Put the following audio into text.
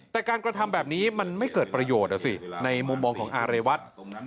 แต่การกระทำแบบนี้มันไม่เกิดประโยชน์อ่ะสิในมุมมองของอาเรวัตร